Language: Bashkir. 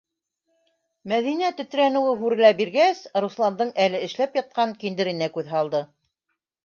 Мәҙинә, тетрәнеүе һүрелә биргәс, Русландың әле эшләп ятҡан киндеренә күҙ һалды.